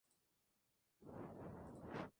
Mirar en Caracas.